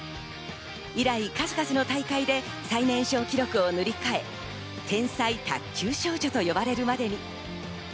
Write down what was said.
以来数々の大会で最年少記録を塗り替え、天才卓球少女と呼ばれるまでに。